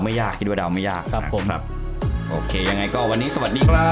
ยากคิดว่าเดาไม่ยากครับผมครับโอเคยังไงก็วันนี้สวัสดีครับ